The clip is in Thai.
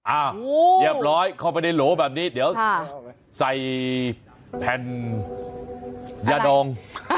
อ่ะเรียบร้อยเข้าไปในโหลแบบนี้เดี๋ยวใส่แผ่นยาดอง